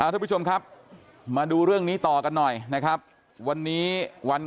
ทุกผู้ชมครับมาดูเรื่องนี้ต่อกันหน่อยนะครับวันนี้วัน